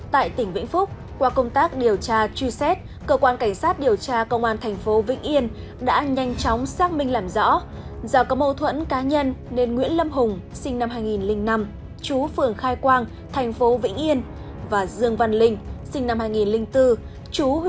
tại tỉnh vĩnh phúc qua công tác điều tra truy xét cơ quan cảnh sát điều tra công an thành phố vĩnh yên đã nhanh chóng xác minh làm rõ do có mâu thuẫn cá nhân nên nguyễn lâm hùng sinh năm hai nghìn năm chú phường khai quang thành phố vĩnh yên và dương văn linh sinh năm hai nghìn bốn chú huyện bình xuyên đã thách thức đánh nhau